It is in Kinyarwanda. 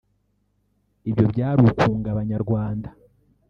Ibyo byari ukunga Abanyarwanda